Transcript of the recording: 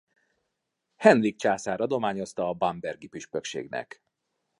Henrik császár adományozta a bambergi püspökségnek.